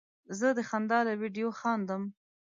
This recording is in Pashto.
زه د خندا له ویډیو خندم.